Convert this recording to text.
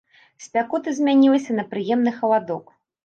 Спякота змянілася на прыемны халадок.